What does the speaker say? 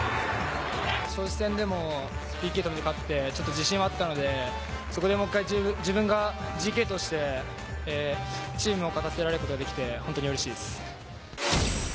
尚志戦でもＰＫを止めて勝って、ちょっと自信はあったので、そこでもう一回自分がＧＫとしてチームを勝たせられることができて本当にうれしいです。